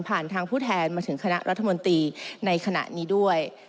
ทางผู้แทนมาถึงคณะรัฐมนตรีในขณะนี้ด้วย